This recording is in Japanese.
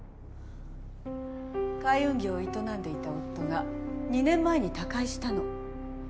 海運業を営んでいた夫が２年前に他界したの。